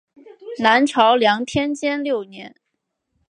南朝梁天监六年。